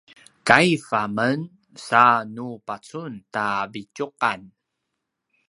kaiv a men sa ne pacun ta vitjuqan